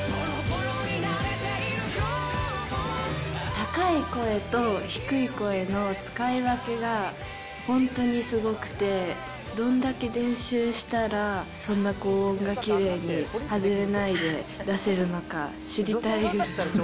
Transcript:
高い声と低い声の使い分けが本当にすごくて、どんだけ練習したら、そんな高音がきれいに外れないで出せるのか知りたい。